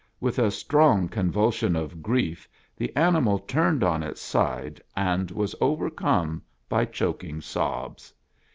With a strong convulsion of grief the animal turned on its side and was overcome by choking sobs.